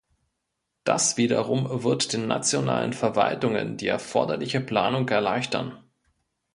Das wiederum wird den nationalen Verwaltungen die erforderliche Planung erleichtern.